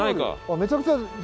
めちゃくちゃある。